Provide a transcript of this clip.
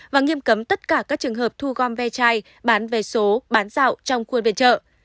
và nghiêm cấm tất cả các trường hợp thu gom ve chai bán ve số bán rạo trong khuôn viện chợ